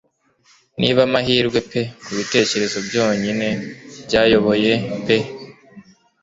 Niba amahirwe pe kubitekerezo byonyine byayoboye pe